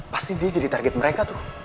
pasti dia jadi target mereka tuh